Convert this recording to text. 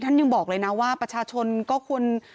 ยังบอกเลยนะว่าประชาชนก็ควร